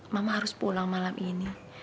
mama harus pulang malam ini